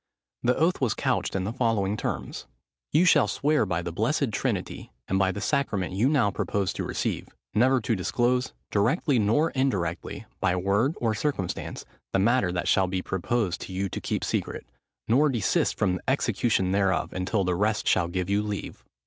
The oath was couched in the following terms:— "You shall swear by the blessed Trinity, and by the sacrament you now purpose to receive, never to disclose, directly nor indirectly, by word or circumstance, the matter that shall be proposed to you to keep secret, nor desist from the execution thereof until the rest shall give you leave."